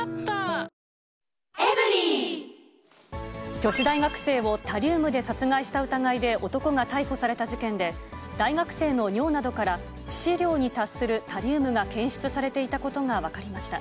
女子大学生をタリウムで殺害した疑いで男が逮捕された事件で、大学生の尿などから、致死量に達するタリウムが検出されていたことが分かりました。